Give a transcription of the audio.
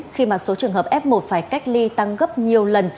khi mà số trường hợp f một phải cách ly tăng gấp nhiều lần